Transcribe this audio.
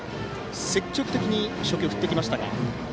積極的に初球を振ってきました。